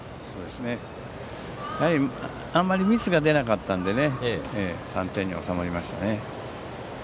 あんまりミスが出なかったので３点に収まりましたね。